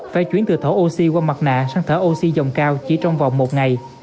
phải chuyển từ thở oxy qua mặt nạ sang thở oxy dòng cao chỉ trong vòng một ngày